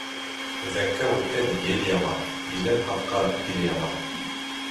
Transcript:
Үҙәккә үткән ел яман, илен һатҡан ир яман.